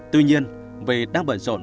tuy nhiên vì đang bận rộn